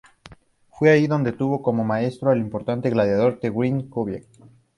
Fue ahí donde tuvo como maestro al importante gladiador The Great Kabuki.